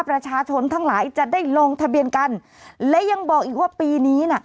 ประชาชนทั้งหลายจะได้ลงทะเบียนกันและยังบอกอีกว่าปีนี้น่ะ